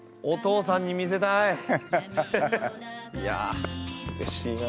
いやあうれしいな。